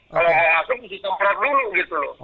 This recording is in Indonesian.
kalau mau masuk harus ditemprot dulu gitu loh